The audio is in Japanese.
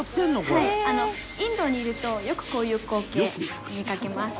インドにいるとよくこういう光景見かけます」